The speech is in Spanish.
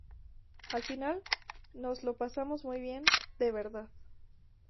Al final nos lo pasamos muy bien, de verdad.